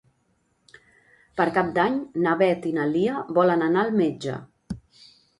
Per Cap d'Any na Beth i na Lia volen anar al metge.